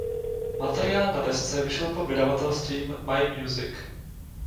Materiál na desce vyšel pod vydavatelstvím My Music.